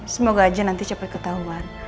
semoga aja nanti cepat ketahuan